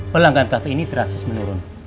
pelanggan cafe ini terakses menurun